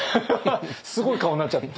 すごい顔になっちゃって。